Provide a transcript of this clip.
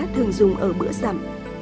thường dùng ở bữa rằm